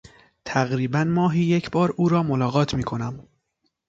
تقریبا ماهی یک بار او را ملاقات میکنم.